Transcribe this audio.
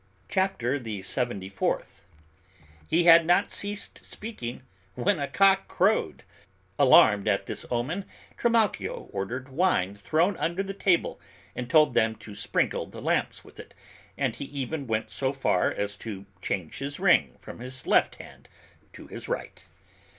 CHAPTER THE SEVENTY FOURTH. He had not ceased speaking when a cock crowed! Alarmed at this omen, Trimalchio ordered wine thrown under the table and told them to sprinkle the lamps with it; and he even went so far as to change his ring from his left hand to his right.